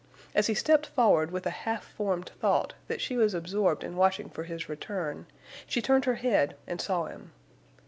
As he stepped forward with a half formed thought that she was absorbed in watching for his return, she turned her head and saw him.